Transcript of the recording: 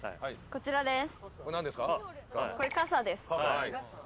こちらです。